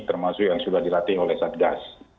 termasuk yang sudah dilatih oleh satgas